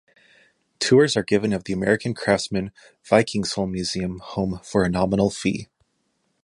Tours are given of the American Craftsman Vikingsholm museum home for a nominal fee.